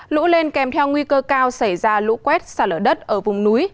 lũ lên kèm theo nguy cơ cao xảy ra lũ quét xả lở đất ở vùng núi